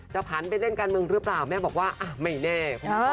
ผันไปเล่นการเมืองหรือเปล่าแม่บอกว่าไม่แน่